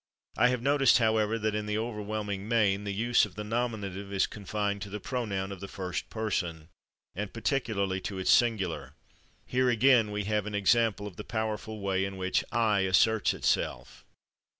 I have noticed, however, that, in the overwhelming main, the use of the nominative is confined to the pronoun of the first person, and particularly to its singular. Here again we have an example of the powerful way in which /I/ asserts itself.